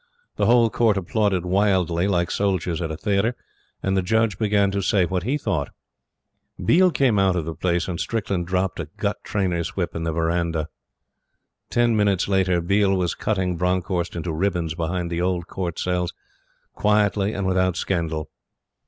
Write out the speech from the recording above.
The whole Court applauded wildly, like soldiers at a theatre, and the Judge began to say what he thought. ......... Biel came out of the place, and Strickland dropped a gut trainer's whip in the verandah. Ten minutes later, Biel was cutting Bronckhorst into ribbons behind the old Court cells, quietly and without scandal.